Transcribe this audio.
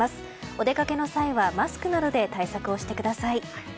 お出かけの際はマスクなどで対策をしてください。